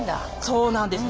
そうなんですね。